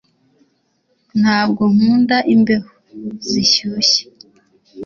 ntabwo nkunda imbeho zishyushye